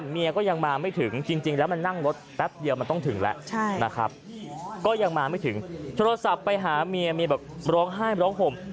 ไม่ถึงโทรศัพท์ไปหาเมียแม่บอกร้องไห้ร้องห่ม